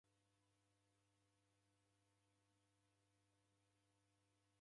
Mkalaghaya, mkotie w'andu chia